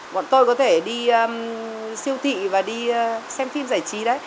bọn tôi có thể đi siêu thị và đi xem phim giải trí đấy